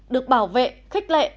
được bảo vệ khích lệ